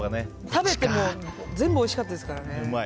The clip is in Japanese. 食べても全部おいしかったですからね。